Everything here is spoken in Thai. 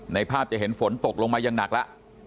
ในภาพจะเห็นฝนตกลงมายังหนักละ